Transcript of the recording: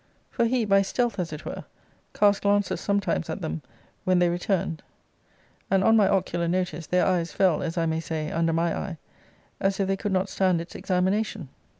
For he, by stealth as it were, cast glances sometimes at them, when they returned; and, on my ocular notice, their eyes fell, as I may say, under my eye, as if they could not stand its examination.